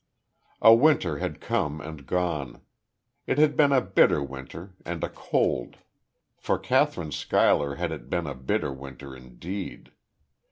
A winter had come, and gone. It had been a bitter winter, and a cold. For Kathryn Schuyler had it been a bitter winter, indeed.